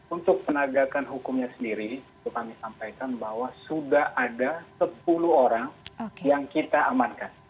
untuk penegakan hukumnya sendiri kami sampaikan bahwa sudah ada sepuluh orang yang kita amankan